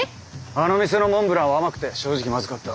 あの店のモンブランは甘くて正直まずかった。